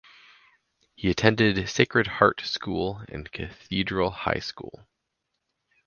He attended Sacred Heart School and Cathedral High School.